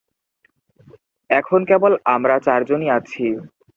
এখন কেবল আমরা চারজন-ই আছি।